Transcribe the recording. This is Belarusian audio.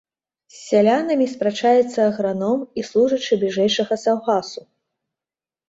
З сялянамі спрачаецца аграном і служачы бліжэйшага саўгасу.